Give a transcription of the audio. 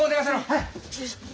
はい。